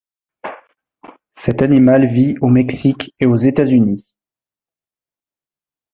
Cet animal vit au Mexique et aux États-Unis.